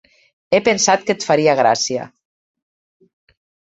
He pensat que et faria gràcia.